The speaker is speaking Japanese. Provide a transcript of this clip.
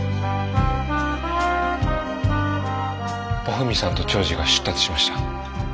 おふみさんと長次が出立しました。